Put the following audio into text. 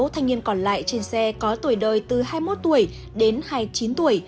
sáu thanh niên còn lại trên xe có tuổi đời từ hai mươi một tuổi đến hai mươi chín tuổi